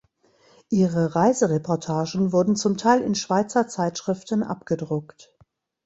Ihre Reisereportagen wurden zum Teil in Schweizer Zeitschriften abgedruckt.